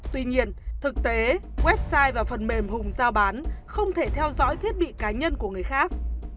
tuy nhiên thực tế website và phần mềm hùng giao bán không thể theo dõi thiết bị cá nhân của người khác